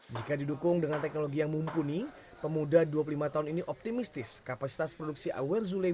jika didukung dengan teknologi yang mumpuni pemuda dua puluh lima tahun ini optimistis kapasitas produksi awer zule